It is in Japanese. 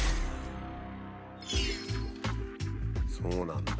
そうなんだ。